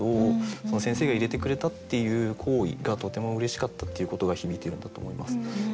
その「先生が入れてくれた」っていう行為がとてもうれしかったっていうことが響いているんだと思います。